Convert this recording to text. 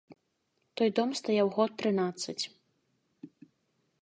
Той дом стаяў год трынаццаць.